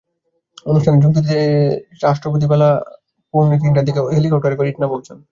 অনুষ্ঠানে যোগ দিতে রাষ্ট্রপতি বেলা পৌনে তিনটার দিকে হেলিকপ্টারে করে ইটনা পৌঁছান।